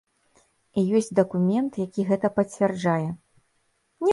І ёсць дакумент, які гэта пацвярджае.